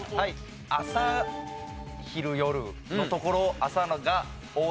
朝昼夜のところ朝が「お」